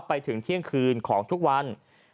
ไปถึงเที่ยงคืนของทุกวัน